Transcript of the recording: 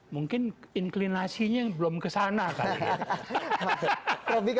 mungkin inklinasinya belum kesana kali ya